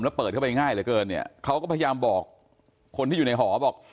แล้วเปิดเข้าไปง่ายเหลือเกินเนี่ยเขาก็พยายามบอกคนที่อยู่ในหอบอก